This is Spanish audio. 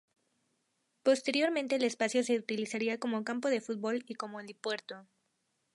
Posteriormente el espacio se utilizaría como campo de fútbol y como helipuerto.